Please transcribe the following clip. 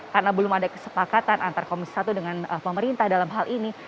karena belum ada kesepakatan antar komisi satu dengan pemerintah dalam hal ini